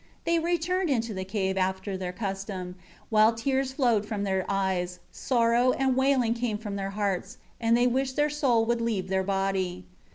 They returned into the cave after their custom, while tears flowed from their eyes, sorrow and wailing came from their hearts, and they wished their soul would leave their body.